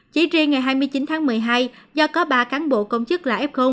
chỉ riêng ngày hai mươi chín tháng một mươi hai do có ba cán bộ công chức là f